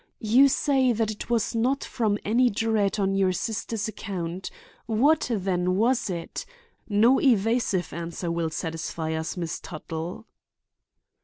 You say that it was not from any dread on your sister's account? What, then, was it? No evasive answer will satisfy us, Miss Tuttle."